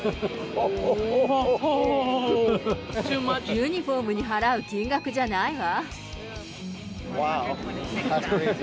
ユニホームに払う金額じゃないわ。